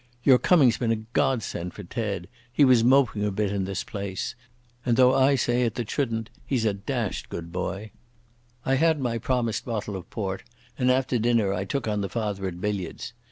"Your coming's been a godsend for Ted. He was moping a bit in this place. And, though I say it that shouldn't, he's a dashed good boy." I had my promised bottle of port, and after dinner I took on the father at billiards.